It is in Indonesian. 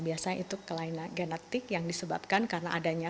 biasanya itu kelainan genetik yang disebabkan karena adanya